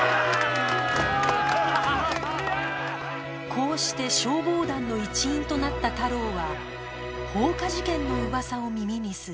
こうして消防団の一員となった太郎は放火事件の噂を耳にする